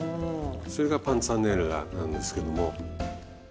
それがパンツァネッラなんですけども。